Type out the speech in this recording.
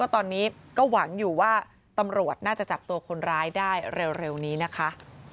ตอนนี้ก็หวังอยู่ว่าตำรวจน่าจะจับตัวคนร้ายได้เร็วนี้นะคะ